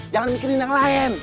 jangan mikirin yang lain